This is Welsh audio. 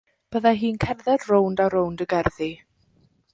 Byddai hi'n cerdded rownd a rownd y gerddi.